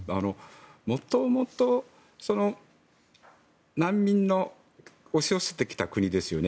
もともと、難民の押し寄せてきた国ですよね